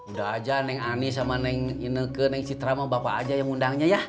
udah aja neng ani sama neng citra sama bapak aja yang ngundangnya ya